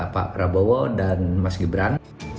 pak prabowo dan mas gibran